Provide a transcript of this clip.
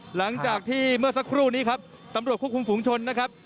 หลังจากที่เมื่อสักครู่นี้ครับตำรวจควบคุมฝุงชนนะครับ